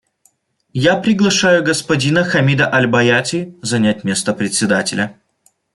Я приглашаю господина Хамида аль-Баяти занять место Председателя.